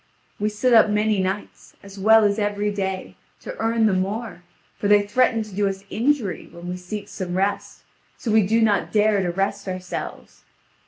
We sit up many nights, as well as every day, to earn the more, for they threaten to do us injury, when we seek some rest, so we do not dare to rest ourselves.